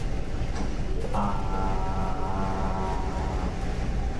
Railroad lines were ripped up, terminals burned, bridges blown up and rolling stock destroyed.